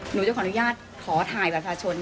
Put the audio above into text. หนูจะขออนุญาตขอถ่ายบัตรประชาชน